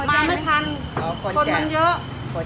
มาไม่ทันคนมันเยอะ